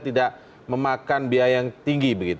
tidak memakan biaya yang tinggi